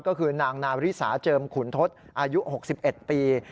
ก็คือนางนาริสาเจิมขุนทศอายุ๖๑ปี